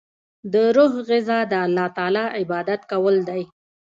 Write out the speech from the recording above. د روح غذا د الله تعالی عبادت کول دی.